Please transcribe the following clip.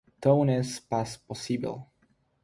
Tout n'est pas possible!